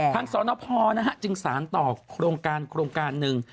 สนพจึงสารต่อโครงการโครงการหนึ่ง